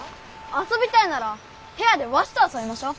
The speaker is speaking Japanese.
遊びたいなら部屋でわしと遊びましょう。